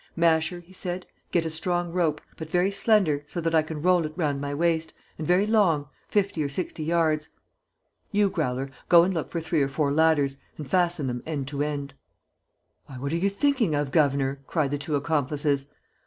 "Masher," he said, "get a strong rope, but very slender, so that I can roll it round my waist, and very long: fifty or sixty yards. You, Growler, go and look for three or four ladders and fasten them end to end." "Why, what are you thinking of, governor?" cried the two accomplices.